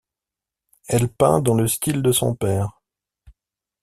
Elle peint dans le style de son père.